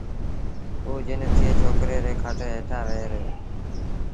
اُ جن ٿئي ڇوڪريٚ ريٚ کٽ هيٺآݩ ويه رهيو